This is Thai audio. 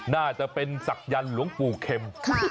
น่าจะเป็นศักยันต์หลวงปู่เข็ม